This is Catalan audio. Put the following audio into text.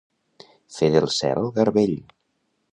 Fer del cel garbell.